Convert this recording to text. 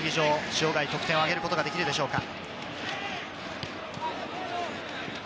塩貝、得点をあげることができるでしょうか？